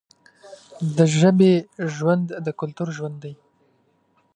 د ژبې ژوند د کلتور ژوند دی.